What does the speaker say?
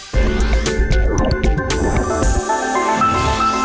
โปรดติดตามตอนต่อไป